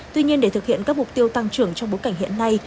tuy nhiên để thực hiện các mục tiêu tăng trưởng trong bối cảnh hiện nay